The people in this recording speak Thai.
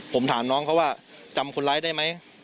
ผมถามน้องเขาว่าจำคนร้ายได้ไหม